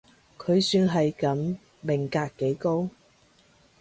佢算係噉，命格幾高